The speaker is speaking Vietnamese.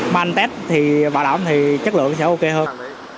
mai anh tết thì bảo đảm thì chất lượng sẽ ok hơn